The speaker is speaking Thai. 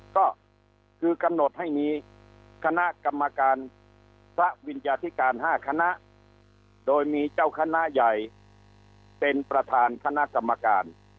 ก็คือกำหนดให้มีคณะกรรมการพระวิญญาธิการ๕คณะโดยมีเจ้าคณะใหญ่เป็นประธานคณะกรรมการ